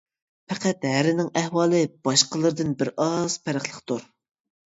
پەقەت ھەرىنىڭ ئەھۋالى باشقىلىرىدىن بىر ئاز پەرقلىقتۇر.